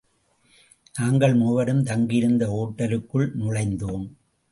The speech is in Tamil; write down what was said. நாங்கள் மூவரும், தங்கியிருந்த ஒட்டலுக்குள் நுழைந்தோம்.